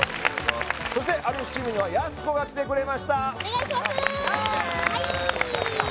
そして有吉チームにはやす子が来てくれましたお願いします